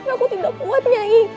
aku tidak kuat nyai